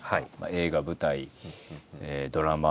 映画舞台ドラマ